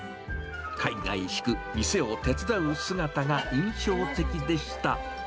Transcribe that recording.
かいがいしく店を手伝う姿が印象的でした。